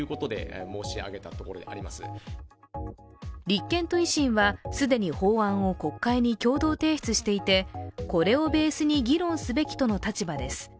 立憲と維新は既に法案を国会に共同提出していてこれをベースに議論すべきとの立場です。